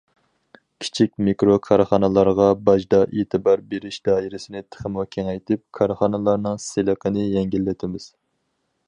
كىچىك، مىكرو كارخانىلارغا باجدا ئېتىبار بېرىش دائىرىسىنى تېخىمۇ كېڭەيتىپ، كارخانىلارنىڭ سېلىقىنى يەڭگىللىتىمىز.